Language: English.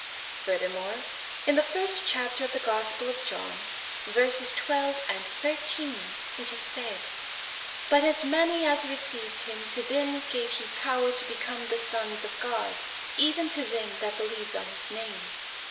Furthermore, in the first chapter of the Gospel of John, verses 12 and 13, it is said: 'But as many as received him, to them gave he power to become the sons of God, even to them that believed on his name.